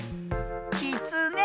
きつね。